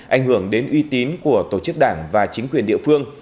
ảnh hưởng đến uy tín của tổ chức đảng và chính quyền địa phương